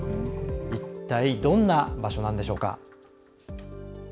一体どんな場所なんでしょうか。